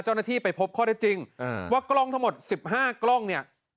ไปพบข้อได้จริงว่ากล้องทั้งหมด๑๕กล้องเนี่ย